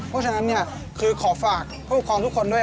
เพราะฉะนั้นคือขอฝากผู้ปกครองทุกคนด้วย